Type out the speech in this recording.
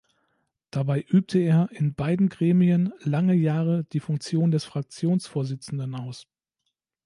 Dabei übte er in beiden Gremien lange Jahre die Funktion des Fraktionsvorsitzenden aus.